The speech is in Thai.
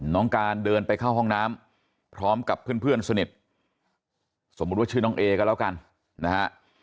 น้องการเดินไปเข้าห้องน้ำพร้อมกับเพื่อนสนิทสมมุติว่าชื่อน้องเอก็แล้วกันนะฮะ